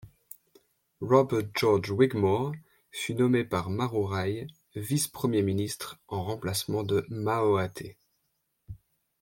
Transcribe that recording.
Robert George Wigmore fut nommé par Marurai Vice-Premier Ministre en remplacement de Maoate.